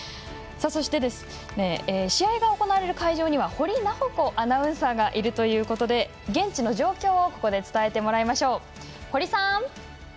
そして、試合が行われる会場には堀菜保子アナウンサーがいるということで現地の状況をここで伝えてもらいましょう。